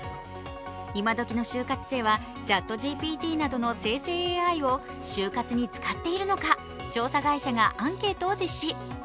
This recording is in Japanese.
今どきの就活生はＣｈａｔＧＰＴなどの生成ＡＩを就活に使っているのか調査会社がアンケートを実施。